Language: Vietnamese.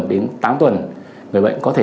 đến tám tuần người bệnh có thể